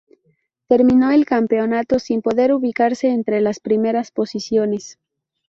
Terminó el campeonato sin poder ubicarse entre las primeras posiciones.